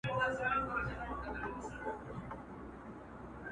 اوس مي تا ته دي راوړي سوغاتونه،